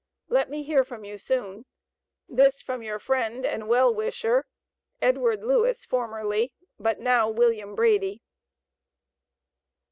Let me hear from you soon. This from your friend and well wisher, EDWARD LEWIS, formerly, but now WILLIAM BRADY.